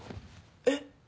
えっ？